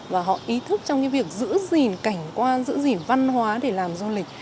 và họ ý thức trong cái việc giữ gìn cảnh quan giữ gìn văn hóa để làm du lịch